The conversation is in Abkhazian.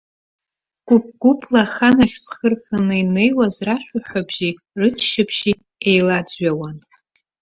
Гәыԥ-гәыԥла аханахь зхы рханы инеиуаз рашәаҳәабжьи раччабжьи еилаӡҩауан.